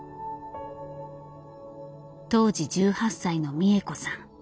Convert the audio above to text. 当時１８歳の三枝子さん。